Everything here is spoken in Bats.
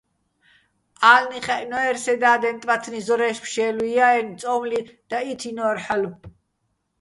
ა́ლნი ხაჲჸნო́ერ სე და́დენ, ტბათნი ზორაჲში̆ ფშე́ლუჲ ჲა -აჲნო̆, წო́მლი დაჸითინო́რ ჰ̦ალო̆.